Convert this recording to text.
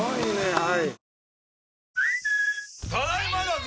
はい。